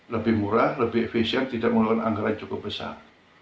lebih murah lebih efisien tidak menggunakan anggaran cukup besar